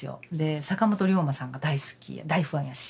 坂本龍馬さんが大好き大ファンやし